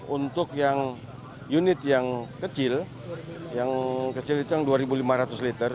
untuk yang unit yang kecil yang kecil itu yang dua lima ratus liter